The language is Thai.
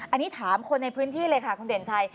อันนี้ถามคนในพื้นที่เลยค่ะคุณเด่นชัย